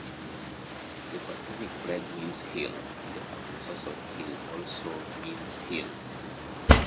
The Brythonic "breg" means 'hill', and the Anglo Saxon "hyll" also means 'hill'.